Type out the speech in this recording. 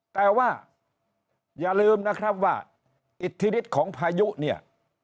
แต่ว่าอย่าลืมนะครับว่าอิทธิฤทธิ์ของพายุเนี่ย